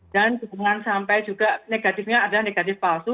dan juga negatifnya adalah negatif palsu